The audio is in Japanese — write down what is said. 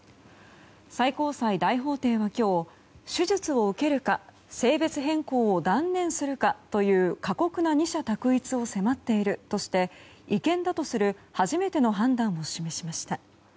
最高裁大法廷は今日手術を受けるか性別変更を断念するかという過酷な二者択一を迫っているとして違憲だとする初めての判断を示しました。